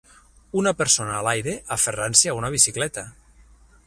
Una persona a l'aire aferrant-se a una bicicleta.